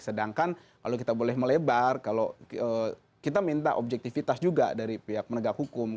sedangkan kalau kita boleh melebar kalau kita minta objektivitas juga dari pihak menegak hukum